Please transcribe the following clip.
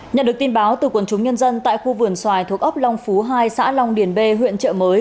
nhận được tin báo từ quần chúng nhân dân tại khu vườn xoài thuộc ấp long phú hai xã long điền b huyện trợ mới